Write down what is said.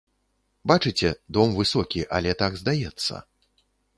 Бачыце, дом высокі, але так здаецца.